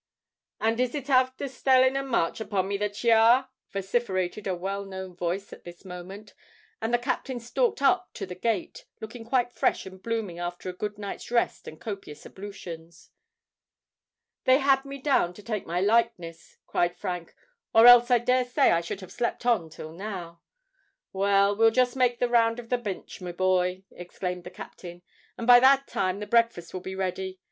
and is it afther staling a march upon me that ye are?" vociferated a well known voice at this moment; and the captain stalked up to the gate, looking quite fresh and blooming after a good night's rest and copious ablutions. "They had me down to take my likeness," cried Frank; "or else I dare say I should have slept on till now." "Well—we'll just make the round of the Binch, me boy," exclaimed the captain; "and by that time the breakfast will be ready.